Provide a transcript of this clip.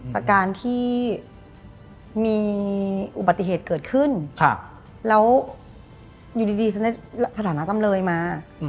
จากการที่มีอุบัติเหตุเกิดขึ้นแล้วอยู่ดีฉันได้สถานะจำเลยมา